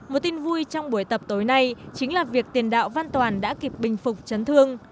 một tin vui trong buổi tập tối nay chính là việc tiền đạo văn toàn đã kịp bình phục chấn thương